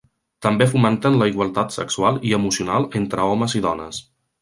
També fomenten la igualtat sexual i emocional entre homes i dones.